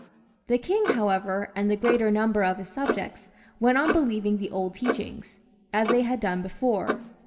The king, however, and the greater number of his sub jects went on believing the old teaching, as they had done XXXIV.] FRANCIS L 243 before.